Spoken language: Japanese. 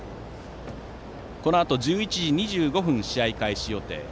このあと１１時２５分試合開始予定。